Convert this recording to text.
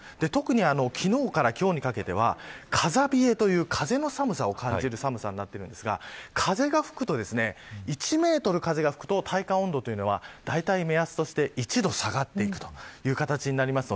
昨日から今日にかけては風冷えという風の寒さを感じる寒さになっていますが１メートル風が吹くと体感温度は目安として１度下がっていくという形になります。